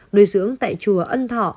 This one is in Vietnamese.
nơi dưỡng tại chùa ân thọ